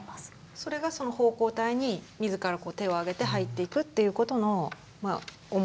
それがその奉公隊に自ら手を挙げて入っていくっていうことの思いとして考えられる。